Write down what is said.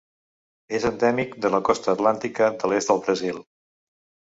És endèmic de la costa atlàntica de l'est del Brasil.